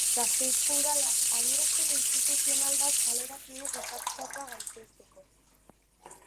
Gasteizko Udalak adierazpen instituzional bat kaleratu du gertatutakoa gaitzesteko